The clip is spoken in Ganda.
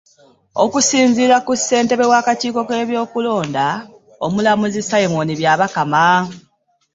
Okusinziira ku ssentebe w'akakiiko k'ebyokulonda, Omulamuzi Simon Byabakama